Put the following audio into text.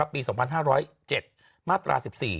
ปี๒๕๐๗มาตรา๑๔